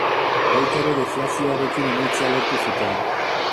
Baita ere deflazioarekin amaitzea lortu zuten.